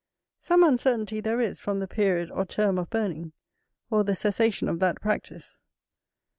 Some uncertainty there is from the period or term of burning, or the cessation of that practice.